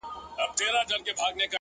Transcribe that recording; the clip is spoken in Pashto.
ډك د ميو جام مي د زړه ور مــات كړ ـ